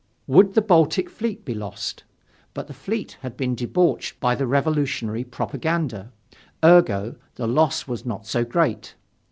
Would the Baltic fleet be lost? But the fleet had been debauched by the Revolutionary propaganda; ergo the loss was not so great.